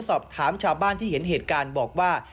สอบถามชาวบ้านที่เห็นเหตุการณ์บอกว่า